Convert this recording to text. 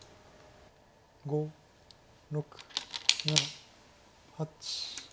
５６７８。